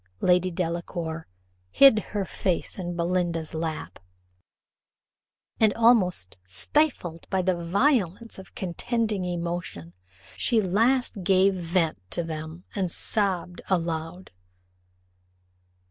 Lady Delacour hid her face in Belinda's lap, and almost stifled by the violence of contending emotions, she at last gave vent to them, and sobbed aloud.